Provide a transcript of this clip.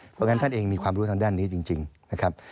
เพราะงั้นท่านเองมีความรู้ทางด้านนี้จริงนะครับ